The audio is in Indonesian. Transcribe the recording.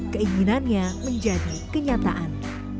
keinginannya menjadi kenyataan